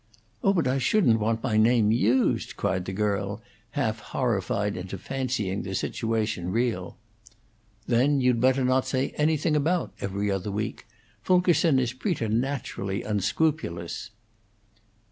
"Oh, but I shouldn't want my name used!" cried the girl, half horrified into fancying the situation real. "Then you'd better not say anything about 'Every Other Week'. Fulkerson is preternaturally unscrupulous."